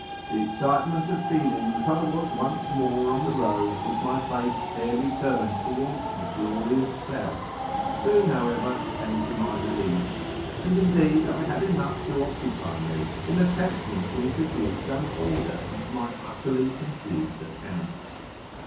The excitement of feeling that I was once more on the road with my face fairly turned towards the glorious South soon, however, came to my relief, and indeed I had enough to occupy me in attempting to introduce some order into my utterly confused accounts.